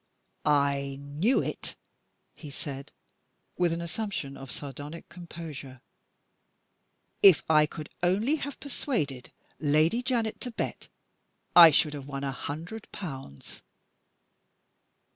"I knew it!" he said, with an assumption of sardonic composure. "If I could only have persuaded Lady Janet to bet, I should have won a hundred pounds."